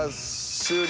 終了。